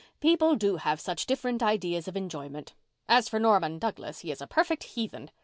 People do have such different ideas of enjoyment. As for Norman Douglas, he is a perfect heathen.